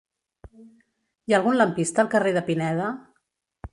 Hi ha algun lampista al carrer de Pineda?